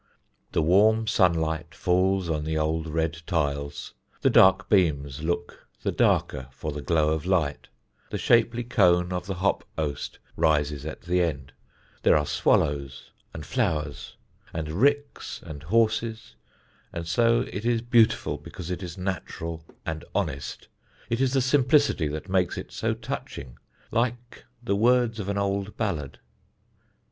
The warm sunlight falls on the old red tiles, the dark beams look the darker for the glow of light, the shapely cone of the hop oast rises at the end; there are swallows and flowers, and ricks and horses, and so it is beautiful because it is natural and honest. It is the simplicity that makes it so touching, like the words of an old ballad.